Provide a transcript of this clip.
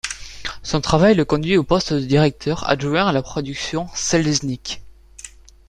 Son travail le conduit au poste de directeur adjoint à la production Selznick.